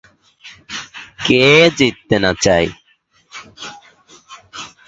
কে জিততে না চায়?